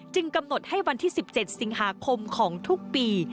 กำหนดให้วันที่๑๗สิงหาคมของทุกปี